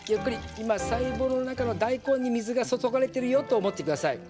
今細胞の中の大根に水が注がれてるよと思って下さい。